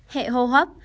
hệ hô hấp